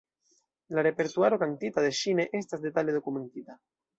La repertuaro kantita de ŝi ne estas detale dokumentita.